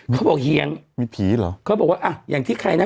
เขาบอกเหยียงพีทเหรอเขาบอกว่าอ่ะอย่างที่ใครนะ